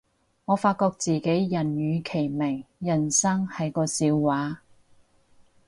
我發覺自己人如其名，人生係個笑話